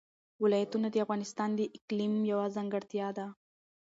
ولایتونه د افغانستان د اقلیم یوه ځانګړتیا ده.